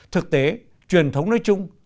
thực tế truyền thống nói chung